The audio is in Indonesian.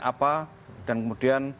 apa dan kemudian